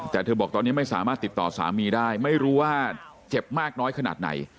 แต่เธอบอกตอนนี้ไม่สามารถติดต่อสามีได้ไม่รู้ว่าเจ็บมากน้อยขนาดไหน